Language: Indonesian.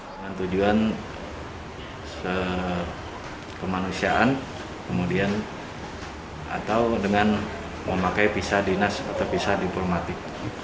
dengan tujuan kemanusiaan kemudian atau dengan memakai visa dinas atau visa diplomatik